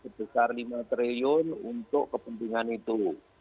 pemerintah juga mengalokasikan sebesar rp lima triliun untuk kepentingan itu